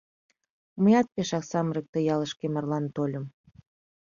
Мыят пешак самырык ты ялышке марлан тольым...